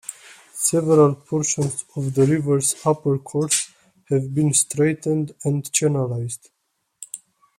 Several portions of the river's upper course have been straightened and channelized.